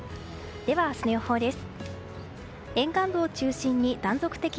では、明日の予報です。